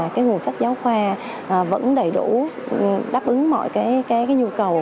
cái nguồn sách giáo khoa vẫn đầy đủ đáp ứng mọi cái nhu cầu